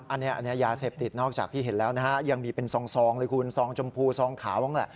อันนี้ยาเศพติดยังไม่ได้ยังมีเป็นซองตรงซองจำพูซองขาว